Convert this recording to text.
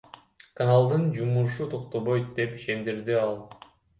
Каналдын жумушу токтобойт, — деп ишендирди ал.